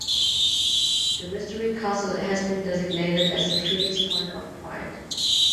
The Mystery Castle has been designated as a Phoenix Point of Pride.